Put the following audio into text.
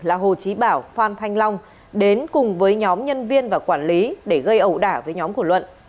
là hồ chí bảo phan thanh long đến cùng với nhóm nhân viên và quản lý để gây ẩu đả với nhóm của luận